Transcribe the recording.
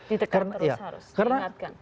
ditekan terus harus diingatkan